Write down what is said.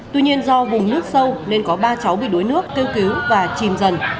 tuy nhiên do vùng nước sâu nên có ba cháu bị đuối nước kêu cứu và chìm dần